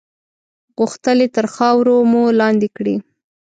غوښتل یې تر خاورو مو لاندې کړي.